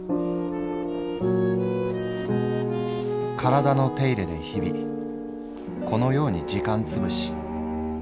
「体の手入れで日々このように時間つぶし」。